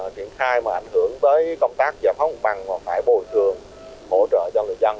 triển khai mà ảnh hưởng tới công tác giải phóng mặt bằng và phải bồi thường hỗ trợ cho người dân